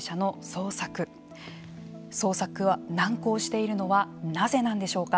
捜索が難航しているのはなぜなんでしょうか。